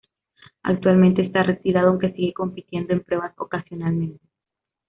Actualmente está retirado aunque sigue compitiendo en pruebas ocasionalmente.